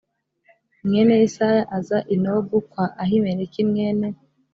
mwene yesayi aza i nobu kwa ahimeleki mwene